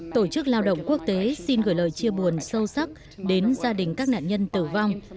tổ chức lao động quốc tế xin gửi lời chia buồn sâu sắc đến gia đình các nạn nhân tử vong